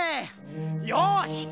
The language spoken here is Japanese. よし！